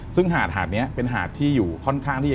ซึ่งหาดหาดนี้เป็นหาดที่อยู่ค่อนข้างที่จะ